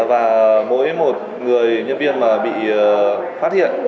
và mỗi một người nhân viên mà bị phát hiện